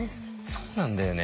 そうなんだよね。